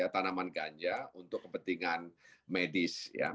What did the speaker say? tanaman ganja untuk kepentingan medis